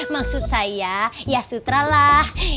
maksud saya ya sutralah